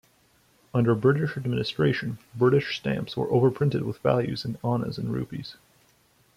Under British administration, British stamps were overprinted with values in annas and rupees.